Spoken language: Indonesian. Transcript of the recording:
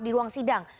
di ruang sidang